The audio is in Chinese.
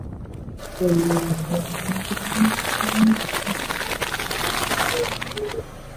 这也是须磨第一次离开日本执行任务。